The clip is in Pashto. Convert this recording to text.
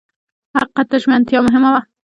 حقیقت ته ژمنتیا مهمه وه.